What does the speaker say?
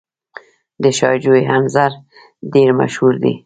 د شاه جوی انځر ډیر مشهور دي.